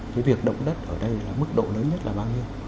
cái việc động đất ở đây là mức độ lớn nhất là bao nhiêu